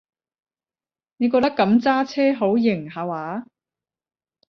你覺得噉揸車好型下話？